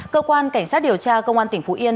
cơ quan cảnh sát điều tra công an tỉnh phú yên